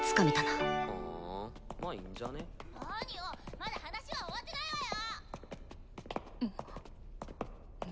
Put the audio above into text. まだ話は終わってないわよ！